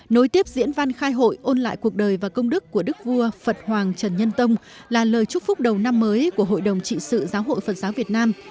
nối tiếp diễn văn khai hội ôn lại cuộc đời và công đức của đức vua phật hoàng trần nhân tông là lời chúc phúc đầu năm mới của hội đồng trị sự giáo hội phật giáo việt nam